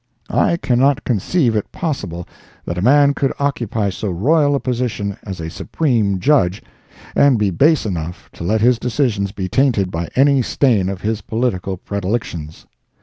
I cannot conceive it possible that a man could occupy so royal a position as a Supreme Judge, and be base enough to let his decisions be tainted by any stain of his political predilections.